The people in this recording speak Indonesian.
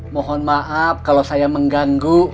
mohon maaf kalau saya mengganggu